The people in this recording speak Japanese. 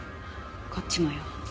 こっちもよ。